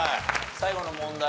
最後の問題